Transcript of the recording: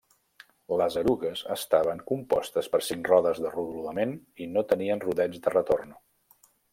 Les erugues estaven compostes per cinc rodes de rodolament i no tenien rodets de retorn.